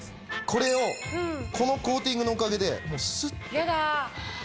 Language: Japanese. これをこのコーティングのおかげでスッと。